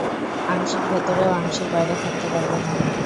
আংশিক ভেতরে ও আংশিক বাইরে থাকতে পারবে না।